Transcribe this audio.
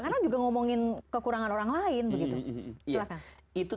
karena juga ngomongin kekurangan orang lain begitu